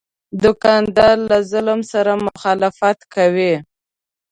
دوکاندار له ظلم سره مخالفت کوي.